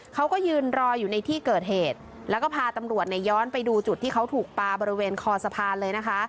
เขาก็ยืนรออยู่ในที่เกิดเหตุแล้วก็พาตำรวจเนี่ยย้อนไปดูจุดที่เขาถูกปลาบริเวณคอสะพานเลยนะคะ